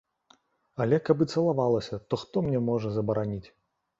Але каб і цалавалася, то хто мне можа забараніць?